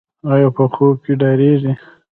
ایا په خوب کې ډاریږي؟